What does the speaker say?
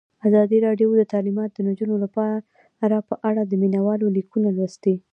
ازادي راډیو د تعلیمات د نجونو لپاره په اړه د مینه والو لیکونه لوستي.